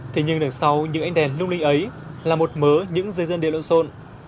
thế nhưng đằng sau những ánh đèn lung linh ấy là một mớ những dây dân địa lộn sôn